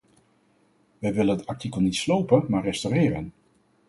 Wij willen het artikel niet slopen maar restaureren.